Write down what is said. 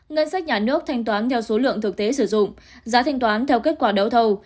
ngân sách nhà nước thanh toán theo số lượng thực tế sử dụng giá thanh toán theo kết quả đấu thầu